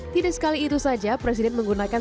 tidak sekali itu saja presiden menggunakan